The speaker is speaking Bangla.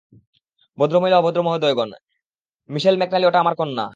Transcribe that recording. ভদ্রমহিলা ও ভদ্রমহোদয়, মিশেল ম্যাকনালি ওটা আমার কন্যা।